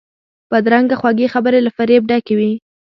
بدرنګه خوږې خبرې له فریب ډکې وي